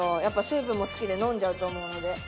やっぱスープも好きで飲んじゃうと思うので。